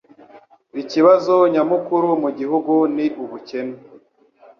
Ikibazo nyamukuru mu gihugu ni ubukene.